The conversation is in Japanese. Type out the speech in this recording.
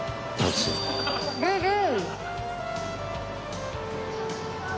グーグー！